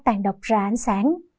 tàn độc ra ánh sáng